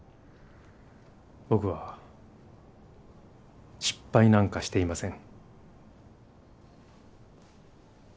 僕は失敗なんかしていません。